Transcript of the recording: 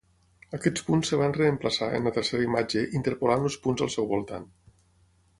Aquests punts es van reemplaçar, en la tercera imatge, interpolant els punts al seu voltant.